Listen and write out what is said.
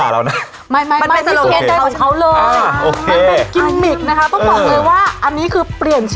เลิศมากอืม